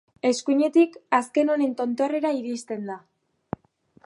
Eskuinetik, azken honen tontorrera iristen da.